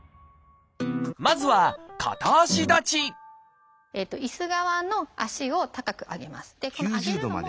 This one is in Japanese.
まずはいす側の足を高く上げます。